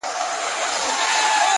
د ځوانیمرګو زړو تاوده رګونه.!